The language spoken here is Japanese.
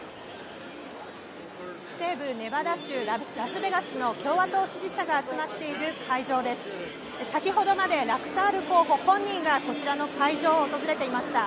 西部ネバダ州ラスベガスの共和党支持者が集まっている会場です、先ほどまでラクサール候補本人がこちらの会場を訪れていました。